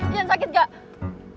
yan sakit gak